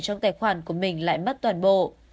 trong tài khoản của mình lại mất toàn bộ